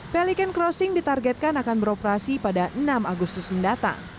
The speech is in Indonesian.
pelican crossing ditargetkan akan beroperasi pada enam agustus mendatang